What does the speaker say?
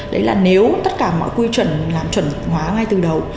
đấy là nếu tất cả mọi quy chuẩn làm chuẩn hóa ngay từ đầu